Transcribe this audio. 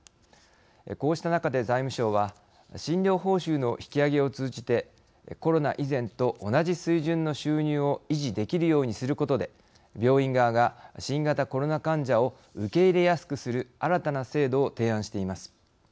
こうした中で財務省は診療報酬の引き上げを通じてコロナ以前と同じ水準の収入を維持できるようにすることで病院側が新型コロナ患者を受け入れやすくする新たな制度を提案しています。